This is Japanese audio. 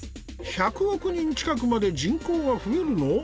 １００億人近くまで人口は増えるの！？